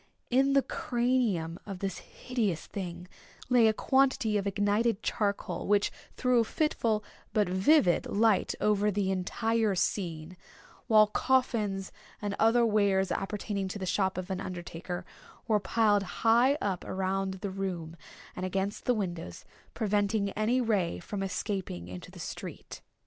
In the cranium of this hideous thing lay quantity of ignited charcoal, which threw a fitful but vivid light over the entire scene; while coffins, and other wares appertaining to the shop of an undertaker, were piled high up around the room, and against the windows, preventing any ray from escaping into the street.